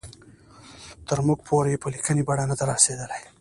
تر موږ پورې په لیکلې بڼه نه دي را رسېدلي.